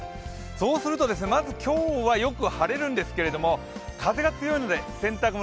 そうすると、今日はよく晴れるんですけれども風が強いので洗濯物